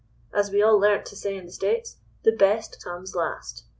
as we all learnt to say in the States—the best comes last.